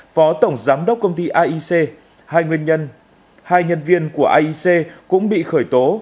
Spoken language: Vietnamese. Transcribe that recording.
phó tổng giám đốc công ty aic hai nhân viên của aic cũng bị khởi tố